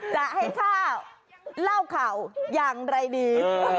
จะให้ข้าวเล่าข่าวอย่างไรดี